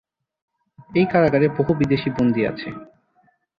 এই কারাগারে বহু বিদেশী বন্দী আছে।